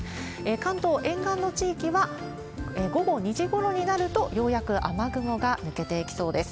関東沿岸の地域は、午後２時ごろになると、ようやく雨雲が抜けていきそうです。